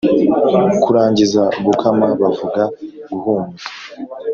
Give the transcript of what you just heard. Kurangiza Gukama bavuga Guhumuza